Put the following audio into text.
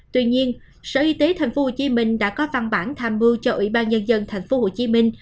tuy nhiên sở y tế tp hcm đã có văn bản tham mưu cho ủy ban nhân dân tp hcm